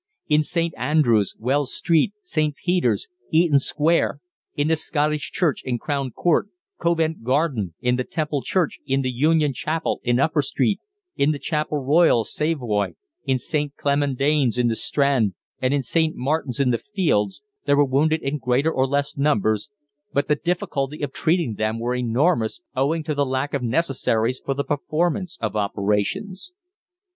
In St. Andrew's, Wells Street, St. Peter's, Eaton Square, in the Scottish Church in Crown Court, Covent Garden, in the Temple Church, in the Union Chapel in Upper Street, in the Chapel Royal, Savoy, in St. Clement Danes in the Strand, and in St. Martin's in the Fields, there were wounded in greater or less numbers, but the difficulties of treating them were enormous owing to the lack of necessaries for the performance of operations.